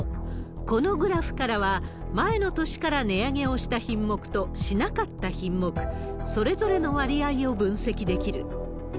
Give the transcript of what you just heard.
このグラフからは、前の年から値上げをした品目と、しなかった品目、それぞれの割合を分析できる。